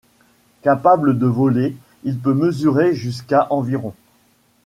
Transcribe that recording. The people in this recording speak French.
Capable de voler, il peut mesurer jusqu'à environ.